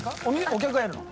お客がやるの？